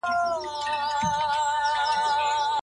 حقیقت کله ناکله تریخ وي.